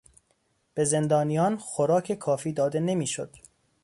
به زندانیان خوراک کافی داده نمیشد.